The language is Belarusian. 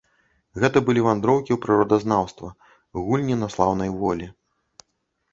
Гэта былі вандроўкі ў прыродазнаўства, гульні на слаўнай волі.